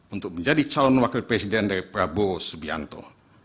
untuk menjadi calon wakil presiden dari prabowo subianto